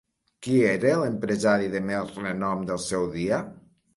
Qui era l'empresari de més renom del seu dia?